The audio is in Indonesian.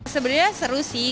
sebenarnya seru sih